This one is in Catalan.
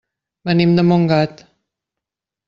Venim de Montgat.